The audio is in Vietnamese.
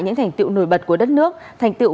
những thành tiệu nổi bật của đất nước thành tựu